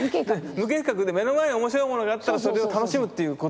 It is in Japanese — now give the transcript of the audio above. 無計画で目の前に面白いものがあったらそれを楽しむっていうことですよね。